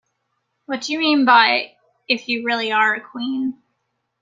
What do you mean by “If you really are a Queen”?